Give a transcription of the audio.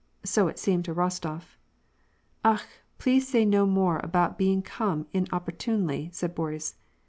So it seemed to Eostof. " Akh ! please say no more about being come inopportunely," said Boris.